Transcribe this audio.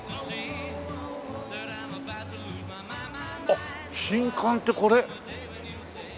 あっ新館ってこれ？